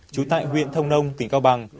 trú tại huyện thông nông tỉnh cao bằng